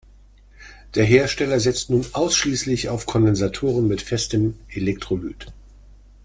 Der Hersteller setzt nun ausschließlich auf Kondensatoren mit festem Elektrolyt.